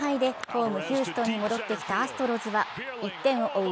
ホーム・ヒューストンに戻ってきたアストロズは１点を追う